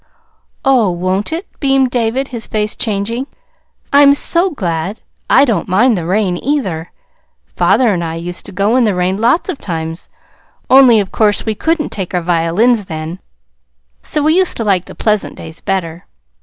"Oh, won't it?" beamed David, his face changing. "I'm so glad! I don't mind the rain, either. Father and I used to go in the rain lots of times, only, of course, we couldn't take our violins then, so we used to like the pleasant days better.